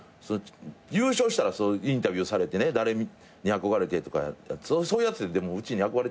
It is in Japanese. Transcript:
優勝したらインタビューされてね「誰に憧れて」とか。そういうやつってでもうちに憧れてないじゃないですか。